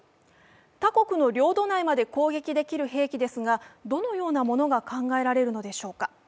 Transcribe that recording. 他国の領土内まで攻撃できる兵器ですがどのようなものが考えられるのでしょうか。